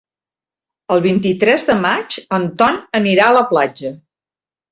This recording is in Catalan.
El vint-i-tres de maig en Ton anirà a la platja.